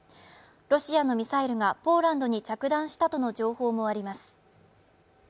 ロシアのミサイルがポーランドに着弾したとの情報もあります。